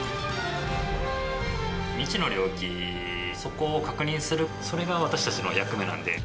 未知の領域、そこを確認する、それが私たちの役目なんで。